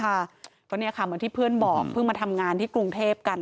เพราะเนี่ยค่ะเหมือนที่เพื่อนบอกเพิ่งมาทำงานที่กรุงเทพกัน